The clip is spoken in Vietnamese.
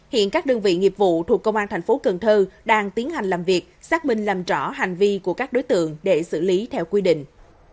hiện các đơn vị nghiệp vụ thuộc công an thành phố cần thơ đang tiến hành làm việc xác minh làm rõ hành vi của các đối tượng để xử lý theo quy định